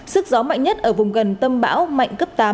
sức gió mạnh nhất ở vùng gần tâm bão mạnh cấp tám